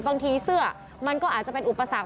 บางทีเสื้อมันก็อาจจะเป็นอุปสรรค